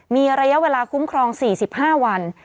มีระยะเวลาคุ้มครอง๔๕วัน